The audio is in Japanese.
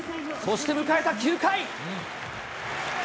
そして迎えた９回。